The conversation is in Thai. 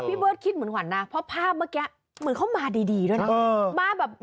เบิร์ดคิดเหมือนขวัญนะเพราะภาพเมื่อกี้เหมือนเขามาดีด้วยนะ